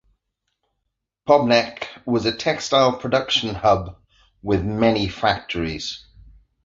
Pößneck was a textile production hub with many factories.